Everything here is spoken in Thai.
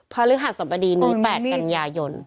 ฤหัสสบดีนี้๘กันยายน